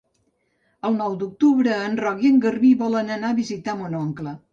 El nou d'octubre en Roc i en Garbí volen anar a visitar mon oncle.